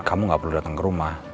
kamu gak perlu datang ke rumah